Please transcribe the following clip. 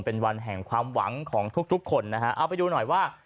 เป็นวันแห่งความหวังของทุกทุกคนนะฮะเอาไปดูหน่อยว่า